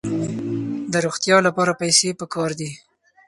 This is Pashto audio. د روغتیا لپاره پیسې پکار دي.